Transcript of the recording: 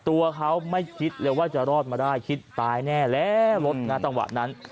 ตัวเขาไม่คิดเลยว่าจะรอดมาได้คิดตายแน่แล้วรถนะจังหวะนั้น